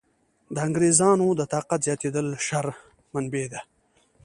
د انګرېزانو د طاقت زیاتېدل شر منبع ده.